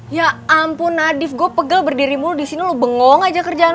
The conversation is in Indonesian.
ya ampun nadif gue pegal berdiri mulu disini lo bengong aja kerjaan lo